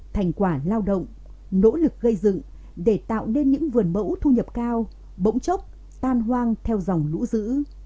thành quả lao động nỗ lực gây dựng để tạo nên những vườn mẫu thu nhập cao bỗng chốc tan hoang theo dòng lũ dữ